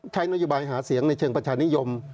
ใช้นโยบายหาเสียงในเชิงประชานิยม